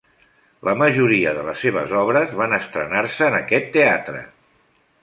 La majoria de les seves obres van estrenar-se en aquest teatre.